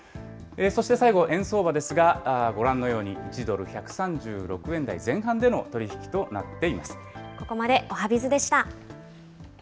そして最後、円相場ですが、ご覧のように１ドル１３６円台の前半での取り引きとなっています。